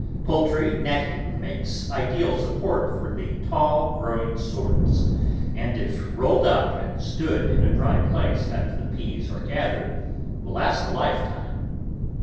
Poul try netting makes ideal support for the tall grow ing sorts, and if rolled up and stood in a dry place after the peas are gathered, will last a lifetime.